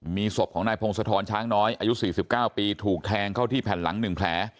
มีศพของนายพงศธรช้างน้อยอายุ๔๙ปีถูกแทงเข้าที่แผ่นหลัง๑แผล